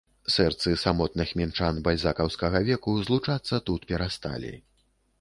Сэрцы самотных мінчан бальзакаўскага веку злучацца тут перасталі.